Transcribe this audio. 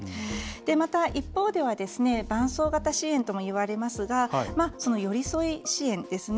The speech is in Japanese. また、一方では伴走型支援ともいわれますが寄り添い支援ですね。